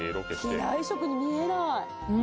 機内食に見えない。